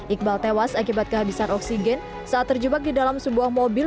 iqbal tewas akibat kehabisan oksigen saat terjebak di dalam sebuah mobil